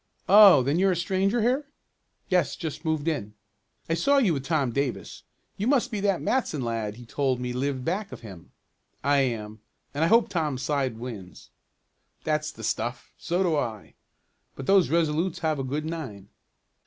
"Oh, then you're a stranger here?" "Yes, just moved in." "I saw you with Tom Davis. You must be that Matson lad he told me lived back of him." "I am, and I hope Tom's side wins." "That's the stuff! So do I. But those Resolutes have a good nine."